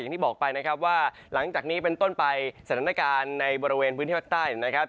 อย่างที่บอกไปนะครับว่าหลังจากนี้เป็นต้นไปสถานการณ์ในบริเวณพื้นที่ภาคใต้นะครับ